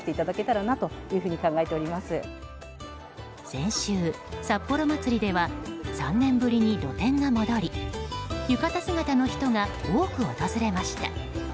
先週、札幌まつりでは３年ぶりに露店が戻り浴衣姿の人が多く訪れました。